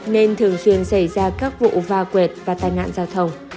nên thường xuyên xảy ra các vụ va quệt và tai nạn giao thông